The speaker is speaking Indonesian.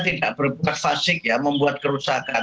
tidak berbuat fasik membuat kerusakan